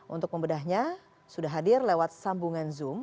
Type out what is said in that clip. untuk membedahnya sudah hadir lewat sambungan zoom